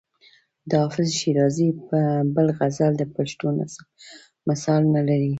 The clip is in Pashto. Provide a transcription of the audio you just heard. د حافظ شیرازي بل غزل د پښتو نظم مثال نه لري.